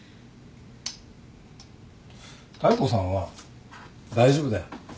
妙子さんは大丈夫だよ。